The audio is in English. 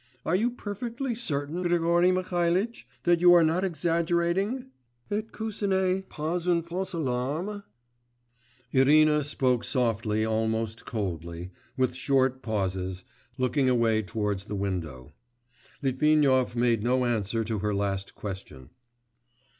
Are you perfectly certain, Grigory Mihalitch, that you are not exaggerating, et que ce n'est pas une fausse alarme?' Irina spoke softly, almost coldly, with short pauses, looking away towards the window. Litvinov made no answer to her last question.